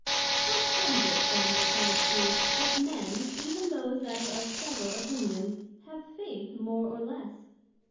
How comes it then, replied she, that Men, even those that are of several opinions, have Faith more or less?